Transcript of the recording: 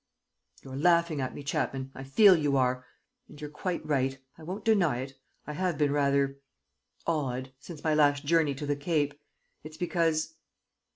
"You're laughing at me, Chapman, I feel you are ... and you're quite right. ... I won't deny it, I have been rather ... odd, since my last journey to the Cape. It's because